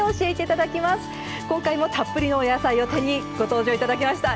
今回もたっぷりのお野菜を手にご登場頂きました。